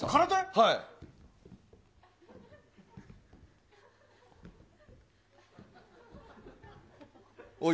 はい？